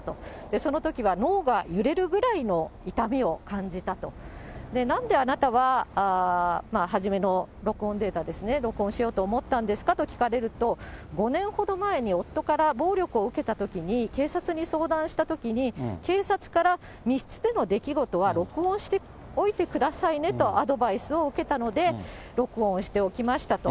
そのときは、脳が揺れるぐらいの痛みを感じたと、なんであなたは、初めの録音データですね、録音しようと思ったんですか？と聞かれると、５年ほど前に夫から暴力を受けたときに、警察に相談したときに、警察から、密室での出来事は録音しておいてくださいねとアドバイスを受けたので、録音しておきましたと。